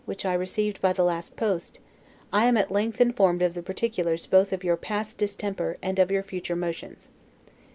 which I received by the last post, I am at length informed of the particulars both of your past distemper, and of your future motions.